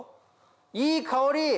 いい香り！